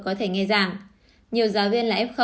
có thể nghe ràng nhiều giáo viên là f